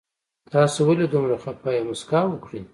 تاسو ولې دومره خفه يي مسکا وکړئ